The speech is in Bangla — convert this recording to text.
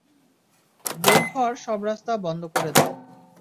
বের হওয়ার সব রাস্তা বন্ধ করে দাও।